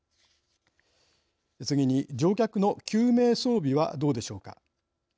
次に乗客の救命装備はどうでしょうか。